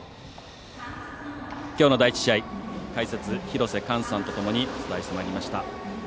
きょうの第１試合解説、廣瀬寛さんとともにお伝えしてまいりました。